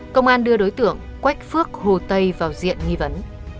công an đưa đối tượng quách phước hồ tây vào diện nghi vấn